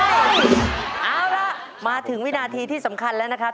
เอาล่ะมาถึงวินาทีที่สำคัญแล้วนะครับ